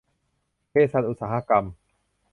เภสัชอุตสาหกรรม